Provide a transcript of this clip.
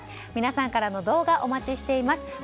皆さんからの動画お待ちしています。